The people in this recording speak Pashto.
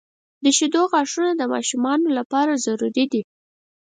• د شیدو غاښونه د ماشومانو لپاره ضروري دي.